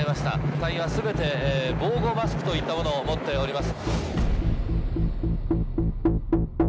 隊員は全て防護マスクといったものを持っております。